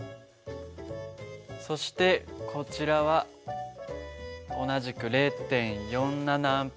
そしてこちらは同じく０．４７Ａ。